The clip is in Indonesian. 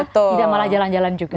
tidak malah jalan jalan juga